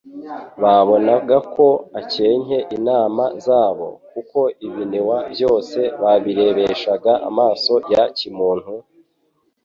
Babonaga ko akencye inama zabo. Kuko ibinW byose babirebeshaga amaso ya kimuntu,